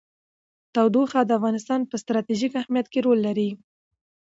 تودوخه د افغانستان په ستراتیژیک اهمیت کې رول لري.